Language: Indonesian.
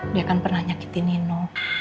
dia kan pernah nyakiti nino